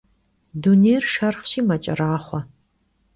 Dunêyr şşerxhşi meç'eraxhue.